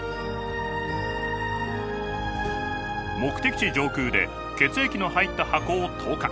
目的地上空で血液の入った箱を投下。